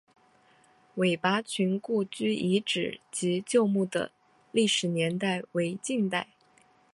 韦拔群故居遗址及旧墓的历史年代为近代。